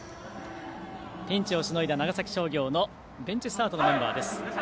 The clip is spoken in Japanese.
ピンチをしのいだ長崎商業のベンチスタートのメンバーです。